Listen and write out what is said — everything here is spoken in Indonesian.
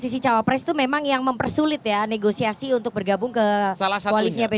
jadi posisi capres itu memang yang mempersulit ya negosiasi untuk bergabung ke koalisnya pdip